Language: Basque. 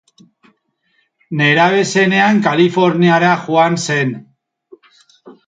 Nerabe zenean Kaliforniara joan zen.